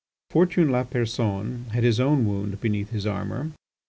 Fortuné Lapersonne had his own wound beneath his armour.